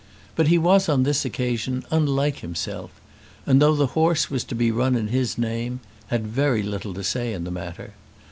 But he was on this occasion unlike himself, and though the horse was to be run in his name had very little to say in the matter.